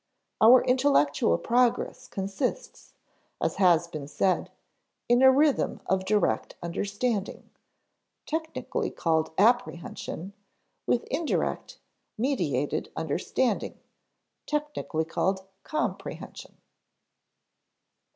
Our intellectual progress consists, as has been said, in a rhythm of direct understanding technically called _ap_prehension with indirect, mediated understanding technically called _com_prehension.